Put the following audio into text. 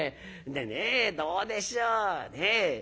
でねどうでしょうねえ。